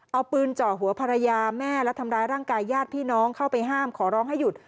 เอาปืนเจาะหัวภรรยาแม่และทำร้ายร่างกายญาติพี่น้องเข้าไปห้ามขอร้องให้หยุด